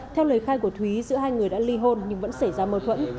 theo lời khai của thúy giữa hai người đã ly hôn nhưng vẫn xảy ra mâu thuẫn